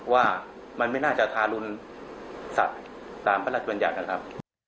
ว่ามันไม่น่าจะทารุณสัตว์ตามพระราชบัญญัตินะครับ